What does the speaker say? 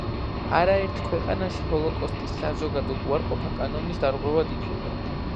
არაერთ ქვეყანაში ჰოლოკოსტის საზოგადოდ უარყოფა კანონის დარღვევად ითვლება.